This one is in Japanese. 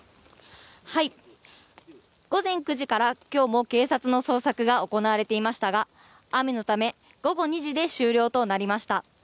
午前９時から今日も警察の捜索が行われていましたが雨のため午後２時で終了となりました。